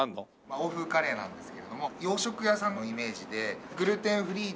欧風カレーなんですれども洋食屋さんのイメージでグルテンフリーで。